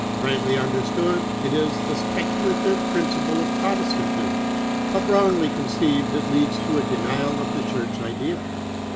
Rightly imderstood, it is the specula tive i)rincipTe of Protestantism ; but wrongly conceived, it leads to a denial of the church idea.